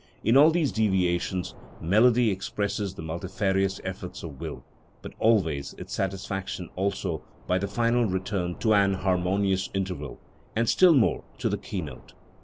In all these deviations melody expresses the multifarious efforts of will, but always its satisfaction also by the final return to an harmonious interval, and still more, to the key note.